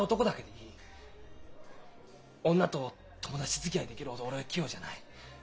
女と友達づきあいできるほど俺は器用じゃない。